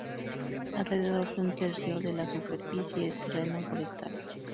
Alrededor de un tercio de la superficie es terreno forestal.